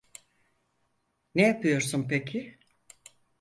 Ne yapıyorsun peki?